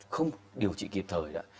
không điều trị kịp thời